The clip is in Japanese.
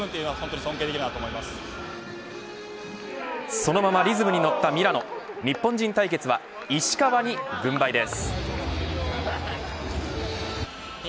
そのままリズムにのったミラノ日本人対決は石川に軍配です。